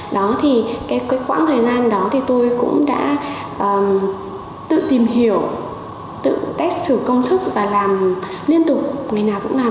đó thì cái quãng thời gian đó thì tôi cũng đã tự tìm hiểu tự test thử công thức và làm liên tục ngày nào cũng làm